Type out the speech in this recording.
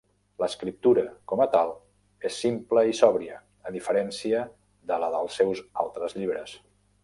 L'escriptura, com a tal, és simple i sòbria, a diferència de la dels seus altres llibres.